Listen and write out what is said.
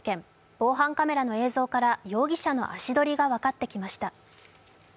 防犯カメラの映像から容疑者の足取りが分ってきました。